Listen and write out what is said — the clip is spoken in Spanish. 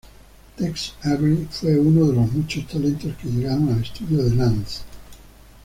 Tex Avery fue uno de los muchos talentos que llegaron al estudio de Lantz.